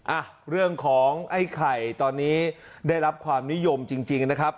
อ่ะเรื่องของไอ้ไข่ตอนนี้ได้รับความนิยมจริงจริงนะครับ